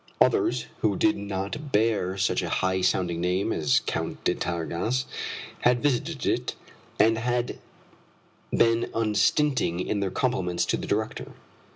Others who did not bear such a high sounding name as the Count d'Artigas had visited it, and had been unstinting in their compliments to the director.